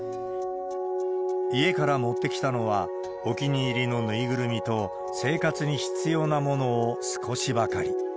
家から持ってきたのは、お気に入りの縫いぐるみと、生活に必要なものを少しばかり。